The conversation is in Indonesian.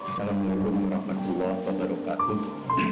salam leluhur rahmatullah wabarakatuh